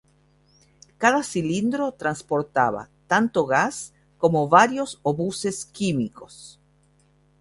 Cada cilindro transportaba tanto gas como varios obuses químicos.